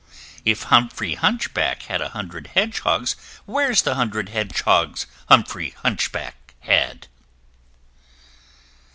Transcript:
If Humphrey Hunchback had a hundred Hedgehogs, Where's the hundred Hedgehogs Humphrey Hunchback had?